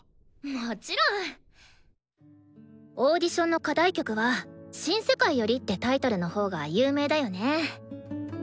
もちろん！オーディションの課題曲は「新世界より」ってタイトルのほうが有名だよね。